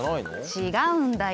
違うんだよ。